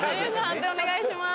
判定お願いします。